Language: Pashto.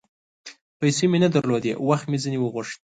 پیسې مې نه درلودې ، وخت مې ځیني وغوښت